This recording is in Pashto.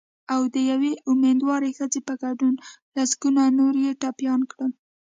او د یوې امېندوارې ښځې په ګډون لسګونه نور یې ټپیان کړل